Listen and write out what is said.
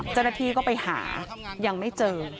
เจ้าหน้าที่ก็ไปหายังไม่เจอ